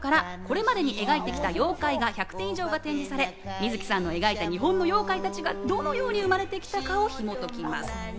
会場には妖怪関係の貴重な資料からこれまでに描いてきた妖怪が１００点以上が展示され、水木さんの描いた日本の妖怪たちがどのように生まれてきたか紐解きます。